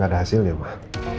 gak ada hasilnya mas